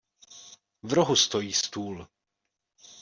V rohu stojí stůl.